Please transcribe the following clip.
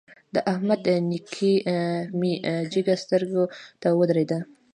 د احمد نېکي مې جګه سترګو ته ودرېده.